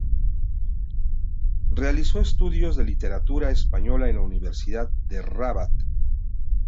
Realizó estudios de literatura española en la Universidad de Rabat.